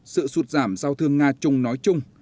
sự sụt giảm giao thương nga trung nói chuyện